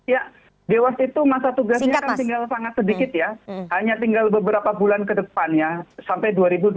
ya dewas itu masa tugasnya kan tinggal sangat sedikit ya hanya tinggal beberapa bulan ke depannya sampai dua ribu dua puluh empat